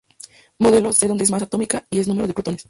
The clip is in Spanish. Modelo: C donde es Masa atómica y es número de protones.